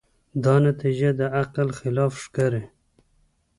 دا نتیجه د عقل خلاف ښکاري.